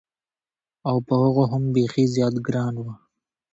او په هغو هم بېخي زیات ګران و.